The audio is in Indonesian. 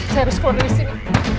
saya harus keluar dari sini